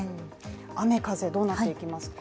雨・風どうなっていきますか？